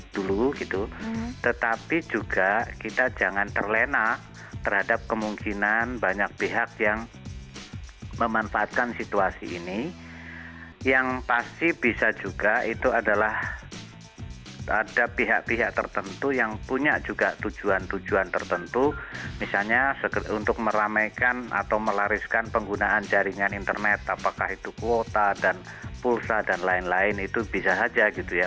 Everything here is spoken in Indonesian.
dulu gitu tetapi juga kita jangan terlena terhadap kemungkinan banyak pihak yang memanfaatkan situasi ini yang pasti bisa juga itu adalah ada pihak pihak tertentu yang punya juga tujuan tujuan tertentu misalnya untuk meramaikan atau melariskan penggunaan jaringan internet apakah itu kuota dan pulsa dan lain lain itu bisa saja gitu ya